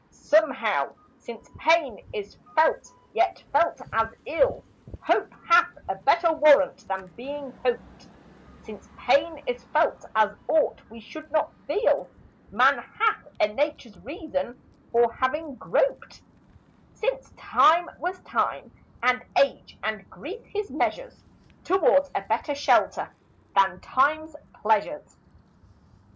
Somehow, since pain is felt yet felt as ill, Hope hath a better warrant than being hoped; Since pain is felt as aught we should not feel Man hath a Nature's reason for having groped, Since Time was Time and age and grief his measures, Towards a better shelter than Time's pleasures.